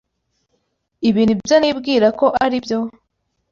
Ibi nibyo nibwira ko aribyo?